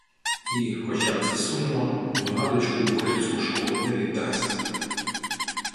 І, хоч як це сумно, вона дочку в українську школу не віддасть